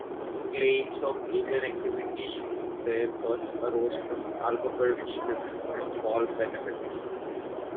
Claims of alien activity there first arose from Albuquerque businessman Paul Bennewitz.